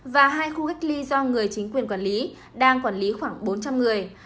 và hai khu cách ly do người chính quyền quản lý đang quản lý khoảng bốn trăm linh người